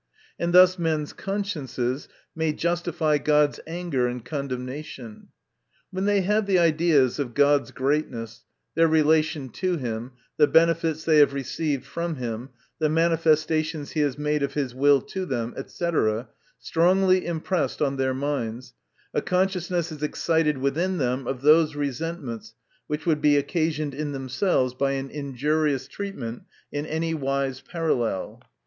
And thus men's consciences may justify God's anger and condemnation*. When they have the ideas of God's greatness, their relation to him, the benefits they have received from him, the manifestations he has made of his will to them, &c, strongly impressed on their minds, a consciousness is excited within them of those resentments, which would be occasioned in themselves by an injurious treatment in any wise parallel.